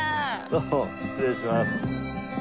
どうも失礼します。